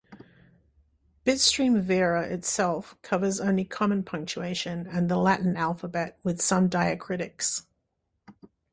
Bitstream Vera itself covers only common punctuation and the Latin alphabet with some diacritics.